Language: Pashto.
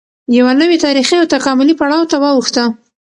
یوه نوې تارېخي او تکاملي پړاو ته واوښته